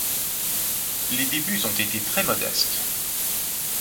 Les débuts ont été très modestes.